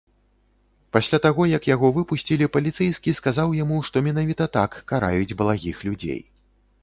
Пасля таго, як яго выпусцілі, паліцэйскі сказаў яму, што менавіта так караюць благіх людзей.